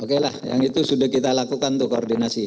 oke lah yang itu sudah kita lakukan untuk koordinasi